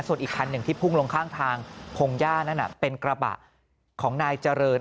ส่วนอีกคันหนึ่งที่พุ่งลงข้างทางพงหญ้านั้นเป็นกระบะของนายเจริญ